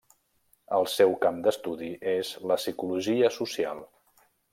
El seu camp d'estudi és la psicologia social.